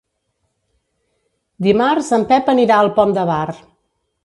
Dimarts en Pep anirà al Pont de Bar.